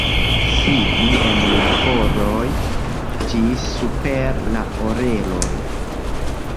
Sidi en laboroj ĝis super la oreloj.